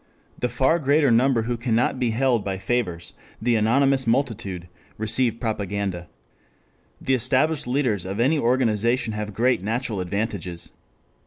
The far greater number who cannot be held by favors, the anonymous multitude, receive propaganda. The established leaders of any organization have great natural advantages.